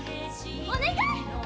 お願い！